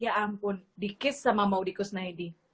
ya ampun dikiss sama maudie kusnayadi